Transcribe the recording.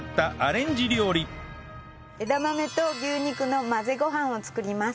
枝豆と牛肉の混ぜご飯を作ります。